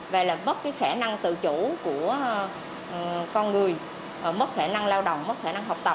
và là bất khả năng tự chủ của con người mất khả năng lao động mất khả năng học tập